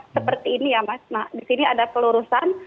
seperti ini ya mas nah disini ada kelurusan